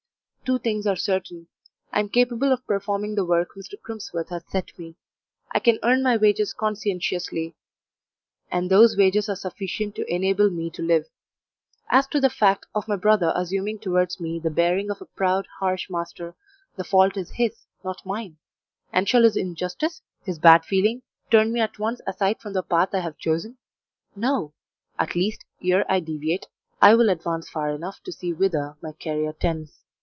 Two things are certain. I am capable of performing the work Mr. Crimsworth has set me; I can earn my wages conscientiously, and those wages are sufficient to enable me to live. As to the fact of my brother assuming towards me the bearing of a proud, harsh master, the fault is his, not mine; and shall his injustice, his bad feeling, turn me at once aside from the path I have chosen? No; at least, ere I deviate, I will advance far enough to see whither my career tends.